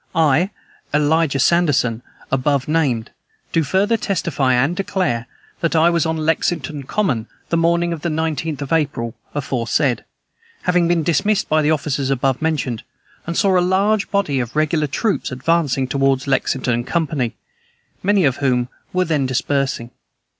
"I, Elijah Sanderson, above named, do further testify and declare, that I was on Lexington common, the morning of the 19th of April aforesaid, having been dismissed by the officers above mentioned, and saw a large body of regular troops advancing toward Lexington company, many of whom were then dispersing.